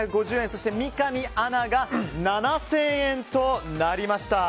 そして三上アナが７０００円となりました。